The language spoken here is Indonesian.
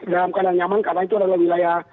dalam keadaan nyaman karena itu adalah wilayah